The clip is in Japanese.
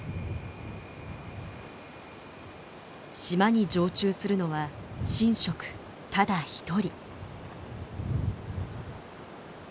島に常駐するのは神職ただ１人。